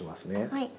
はい。